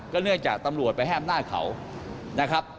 เนื่องจากตำรวจไปให้อำนาจเขานะครับ